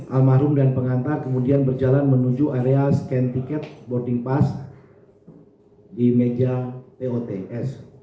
almarhum dan pengantar kemudian berjalan menuju area scan tiket boarding pass di meja tots